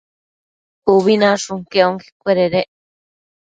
Ubi nashun quec onquecuededec